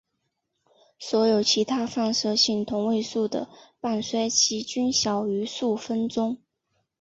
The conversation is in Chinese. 所有其他放射性同位素的半衰期均小于数分钟。